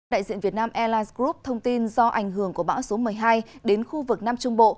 đại diện việt nam airlines group thông tin do ảnh hưởng của bão số một mươi hai đến khu vực nam trung bộ